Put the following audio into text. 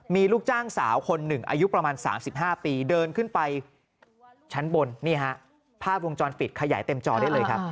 มีลูกจ้างสาวคนหนึ่งอายุประมาณ๓๕ปีเดินขึ้นไปชั้นบนนี่ฮะภาพวงจรปิดขยายเต็มจอได้เลยครับ